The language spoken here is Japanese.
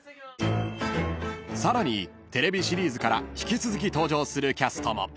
［さらにテレビシリーズから引き続き登場するキャストも］